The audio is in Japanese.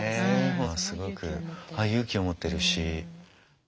すごく勇気を持ってるし。